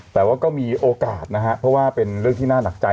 แต่ว่าก็มีโอกาสนะฮะเพราะว่าเป็นเรื่องที่น่าหนักใจ